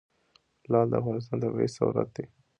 لعل د افغانستان طبعي ثروت دی.